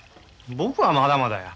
僕はまだまだや。